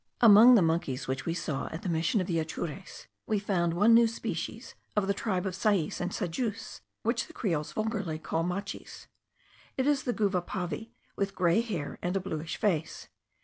Among the monkeys which we saw at the mission of the Atures, we found one new species, of the tribe of sais and sajous, which the Creoles vulgarly call machis. It is the Guvapavi with grey hair and a bluish face.